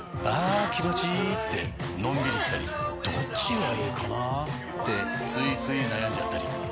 あ気持ちいいってのんびりしたりどっちがいいかなってついつい悩んじゃったり。